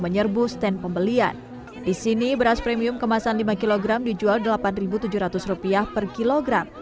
menyerbu stand pembelian disini beras premium kemasan lima kg dijual delapan ribu tujuh ratus rupiah per kilogram